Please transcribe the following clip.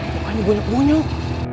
pokoknya gue nyuk nyuk